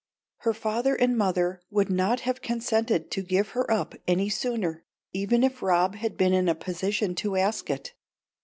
Her father and mother would not have consented to give her up any sooner even if Rob had been in a position to ask it.